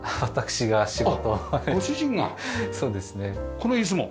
この椅子も？